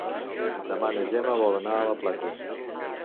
Demà na Gemma vol anar a la platja.